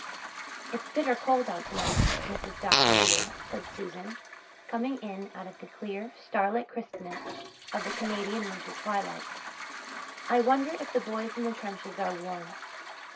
"It is bitter cold out tonight, Mrs. Dr. dear," said Susan, coming in out of the clear starlit crispness of the Canadian winter twilight. "I wonder if the boys in the trenches are warm."